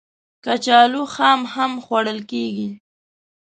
کچالو خام هم خوړل کېږي